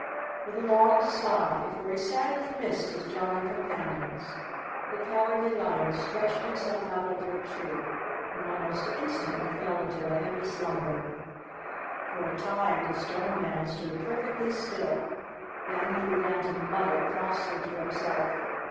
With a long sigh, for he sadly missed his jolly com¬ panions, the Cowardly Lion stretched himself out un¬ der a tree and almost instantly fell into a heavy slum¬ ber. For a time the Stone Man stood perfectly still. Then he began to mutter crossly to himself.